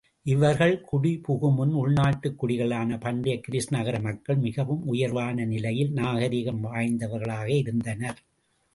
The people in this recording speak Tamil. இவர்கள் குடிபுகுமுன் உள்நாட்டுக் குடிகளான பண்டைய கிரீஸ் நகர மக்கள், மிகவும் உயர்வான நிலையில் நாகரிகம் வாய்ந்தவர்களாக இருந்தனர்.